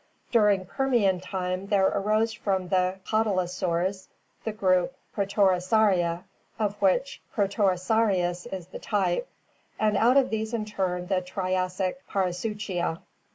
During Permian time there arose from the cotylosaurs the group Protorosauria, of which Protorosaurus is the type, and out of these in turn the Triassic Parasuchia.